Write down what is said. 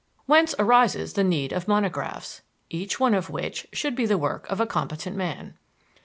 Whence arises the need of monographs, each one of which should be the work of a competent man.